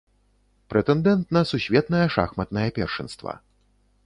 Прэтэндэнт на сусветнае шахматнае першынства.